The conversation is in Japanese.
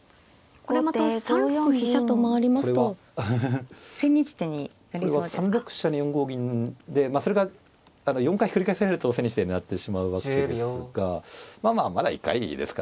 これは３六飛車に４五銀でそれが４回繰り返されると千日手になってしまうわけですがまあまだ一回ですからね。